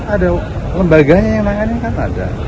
ada lembaganya yang nanganin kan ada